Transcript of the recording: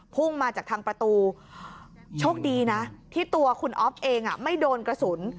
พุ่งมาจากทางประตูโชคดีนะที่ตัวคุณอ๊อฟเองไม่โดนกระสุน